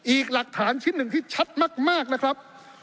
อีกหลักฐานชิ้นหนึ่งที่ชัดมากนะครับ